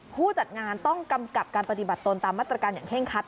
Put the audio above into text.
ผู้จัดงานต้องกำกับการปฏิบัติตนตามมาตรการอย่างเคร่งคัด